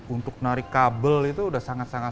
untuk narik kabel itu sudah sangat sangat